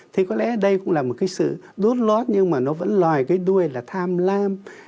thì có lẽ đây cũng là một cái sự đốt lót nhưng mà nó vẫn loài cái đuôi là tham lam